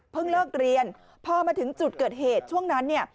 เพิ่งเลิกเรียนพอมาถึงจุดเกิดเหตุช่วงนั้น